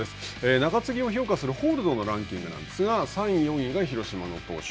中継ぎを評価するホールドのランキングなんですが３位、４位が広島の投手。